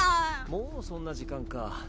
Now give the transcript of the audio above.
もうそんな時間か。